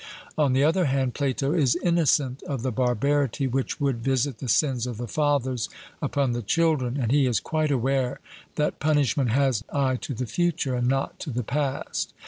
On the other hand, Plato is innocent of the barbarity which would visit the sins of the fathers upon the children, and he is quite aware that punishment has an eye to the future, and not to the past.